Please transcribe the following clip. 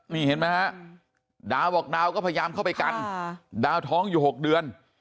นี่เห็นไหมฮะดาวบอกดาวก็พยายามเข้าไปกันดาวท้องอยู่๖เดือน